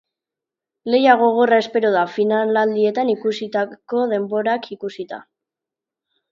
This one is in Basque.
Lehia gogorra espero da, finalerdietan egindako denborak ikusita.